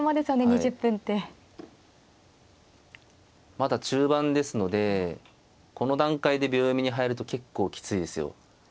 まだ中盤ですのでこの段階で秒読みに入ると結構きついですよ。